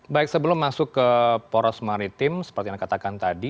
baik sebelum masuk ke poros maritim seperti yang anda katakan tadi